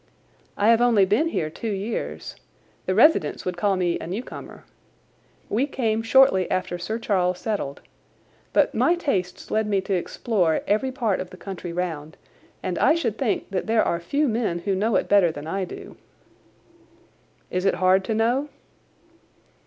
"I have only been here two years. The residents would call me a newcomer. We came shortly after Sir Charles settled. But my tastes led me to explore every part of the country round, and I should think that there are few men who know it better than I do." "Is it hard to know?"